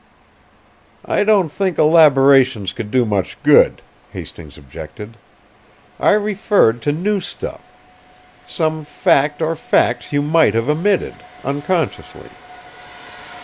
"I don't think elaboration could do much good," Hastings objected. "I referred to new stuff some fact or facts you might have omitted, unconsciously."